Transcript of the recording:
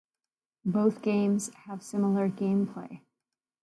Both games have similar gameplay.